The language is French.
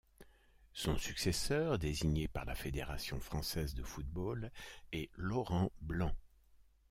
Son successeur, désigné par la Fédération française de football, est Laurent Blanc.